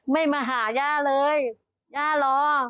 ไม่มาหาย่าเลยย่ารอ